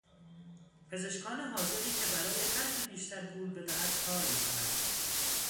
پزشکان حاذقی که برای هرکه بیشتر پول بدهد کار میکنند